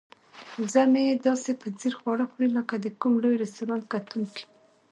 وزه مې داسې په ځیر خواړه خوري لکه د کوم لوی رستورانت کتونکی.